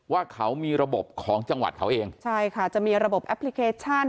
ว่าเขามีระบบของจังหวัดเขาเองใช่ค่ะจะมีระบบแอปพลิเคชัน